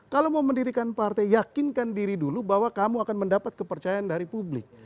kalau mau mendirikan partai yakinkan diri dulu bahwa kamu akan mendapat kepercayaan dari publik